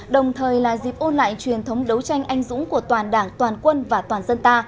đồng thời là dịp ôn lại truyền thống đấu tranh anh dũng của toàn đảng toàn quân và toàn dân ta